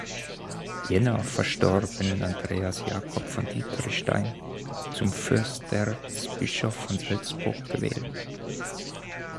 Jänner verstorbenen Andreas Jakob von Dietrichstein zum Fürsterzbischof von Salzburg gewählt.